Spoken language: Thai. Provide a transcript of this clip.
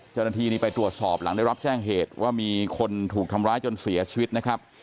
เจ้าหน้าที่นี่ไปตรวจสอบหลังได้รับแจ้งเหตุว่ามีคนถูกทำร้ายจนเสียชีวิตนะครับ